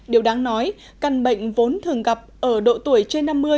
điều đáng nói căn bệnh vốn thường gặp ở độ tuổi trên năm mươi